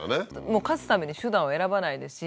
もう勝つために手段を選ばないですし